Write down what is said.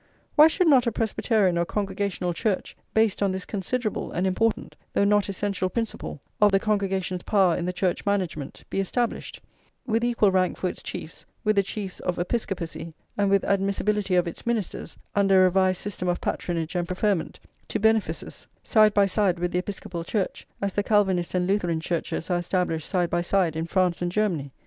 Why should not a Presbyterian or Congregational Church, based on this considerable and important, though not essential principle, of the congregation's power in the church management, be established, with equal rank for its chiefs with the chiefs of Episcopacy, and with admissibility of its ministers, under a revised system of patronage and preferment, to benefices, side by side with the Episcopal Church, as the Calvinist and Lutheran Churches are established side by side in France and Germany?